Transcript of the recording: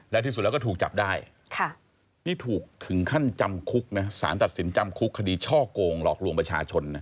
และที่สุดแล้วก็ถูกจับได้นี่ถูกถึงขั้นจำคุกนะสารตัดสินจำคุกคดีช่อกงหลอกลวงประชาชนนะ